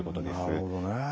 なるほどね。